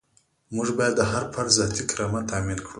موږ باید د هر فرد ذاتي کرامت تامین کړو.